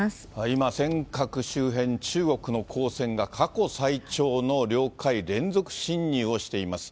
今、尖閣周辺、中国の公船が過去最長の領海連続侵入をしています。